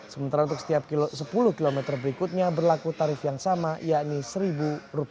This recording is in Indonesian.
sementara untuk setiap sepuluh km berikutnya berlaku tarif yang sama yakni rp satu